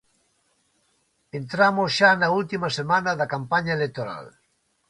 Entramos xa na última semana de campaña electoral.